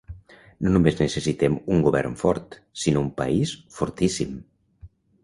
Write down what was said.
No només necessitem un govern fort, sinó un país fortíssim.